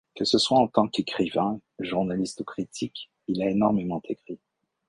Que ce soit en tant qu'écrivain, journaliste ou critique, il a énormément écrit.